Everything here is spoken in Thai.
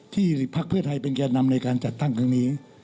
ภักดิ์เพื่อไทยเป็นแก่นำในการจัดตั้งครั้งนี้